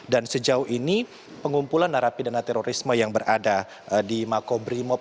dan sejauh ini pengumpulan narapidana terorisme yang berada di makobrimob